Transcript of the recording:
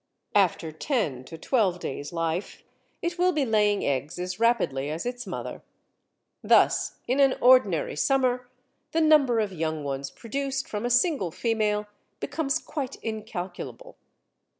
After ten to twelve days' life it will be laying eggs as rapidly as its mother. Thus in an ordinary summer the number of young ones produced from a single female becomes quite incalculable.